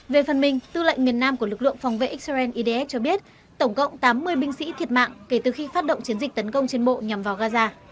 về phần mình tư lệnh miền nam của lực lượng phòng vệ israel idf cho biết tổng cộng tám mươi binh sĩ thiệt mạng kể từ khi phát động chiến dịch tấn công trên bộ nhằm vào gaza